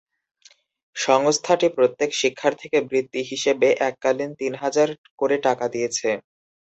সংস্থাটি প্রত্যেক শিক্ষার্থীকে বৃত্তি হিসেবে এককালীন তিন হাজার করে টাকা দিয়েছে।